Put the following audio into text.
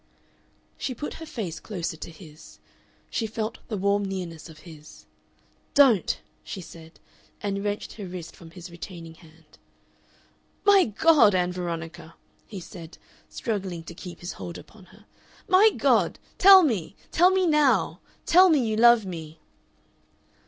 She put her face closer to his. She felt the warm nearness of his. "DON'T!" she said, and wrenched her wrist from his retaining hand. "My God! Ann Veronica," he said, struggling to keep his hold upon her; "my God! Tell me tell me now tell me you love me!"